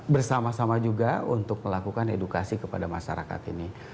bersama sama juga untuk melakukan edukasi kepada masyarakat ini